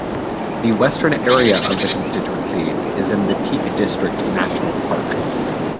The western area of the constituency is in the Peak District National Park.